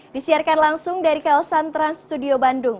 disiarkan langsung dari kawasan trans studio bandung